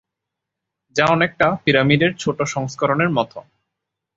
যা অনেকটা পিরামিডের ছোট সংস্করণের মত।